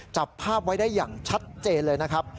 จับภาพไว้ได้อย่างชัดเจนเลยนะครับ